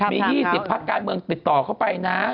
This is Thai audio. มี๒๐พักการเมืองติดต่อเข้าไปนะ